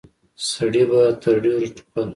سړي به تر ډيرو ټوخل.